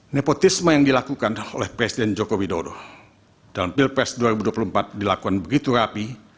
nepotisme yang dilakukan oleh presiden joko widodo dalam pilpres dua ribu dua puluh empat dilakukan begitu rapi